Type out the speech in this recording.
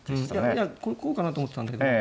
いやこれこうかなと思ってたんだけどね。